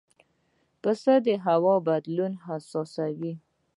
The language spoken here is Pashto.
پسه د هوا بدلون احساسوي.